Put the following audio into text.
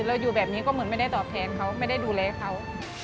อยู่แบบนี้ก็เหมือนไม่ได้ตอบแทนเขาไม่ได้ดูแลเขา